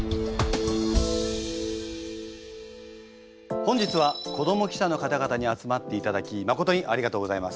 本日は子ども記者の方々に集まっていただきまことにありがとうございます。